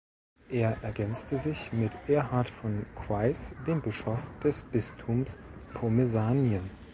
Er ergänzte sich mit Erhard von Queis, dem Bischof des Bistums Pomesanien.